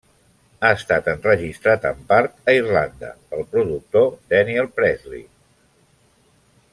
Ha estat enregistrat en part a Irlanda pel productor Daniel Presley.